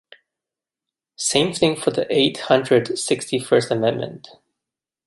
Same thing for the eight hundred sixty-first amendment.